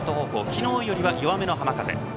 昨日よりは弱めの浜風。